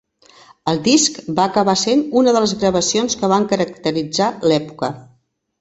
El disc va acabar sent una de les gravacions que van caracteritzar l'època.